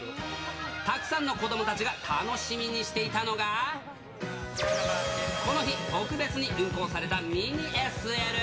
たくさんの子どもたちが楽しみにしていたのが、この日、特別に運行されたミニＳＬ。